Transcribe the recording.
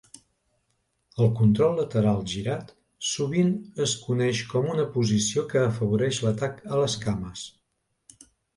El control lateral girat sovint es coneix com una posició que afavoreix l'atac a les cames.